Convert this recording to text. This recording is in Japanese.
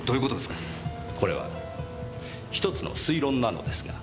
これは１つの推論なのですが。